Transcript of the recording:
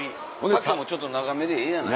丈もちょっと長めでええやない。